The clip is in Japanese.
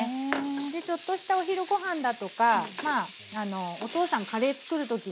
でちょっとしたお昼ごはんだとかお父さんカレー作る時にね。